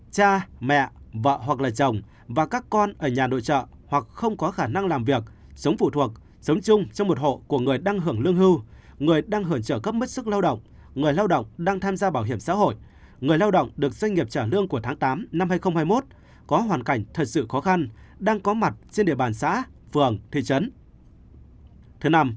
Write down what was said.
bốn cha mẹ vợ hoặc là chồng và các con ở nhà nội trợ hoặc không có khả năng làm việc sống phụ thuộc sống chung trong một hộ của người đang hưởng lương hưu người đang hưởng trợ cấp mất sức lao động người lao động đang tham gia bảo hiểm xã hội người lao động được doanh nghiệp trả lương của tháng tám năm hai nghìn hai mươi một có hoàn cảnh thật sự khó khăn đang có mặt trên địa bàn xã phường thị trấn